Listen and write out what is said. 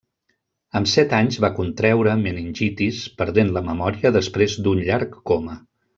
Amb set anys va contreure meningitis, perdent la memòria després d'un llarg coma.